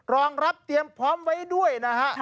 รองรับเตรียมพร้อมไว้ด้วยนะฮะ